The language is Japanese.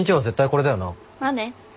まあね。